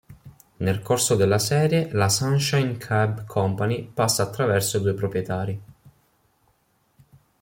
Nel corso della serie la Sunshine Cab Company passa attraverso due proprietari.